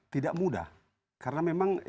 tidak mudah karena memang